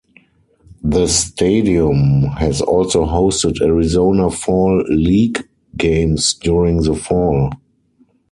The stadium has also hosted Arizona Fall League games during the fall.